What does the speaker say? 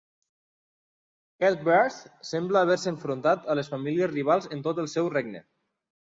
Eadberht sembla haver-se enfrontat a les famílies rivals en tot el seu regne.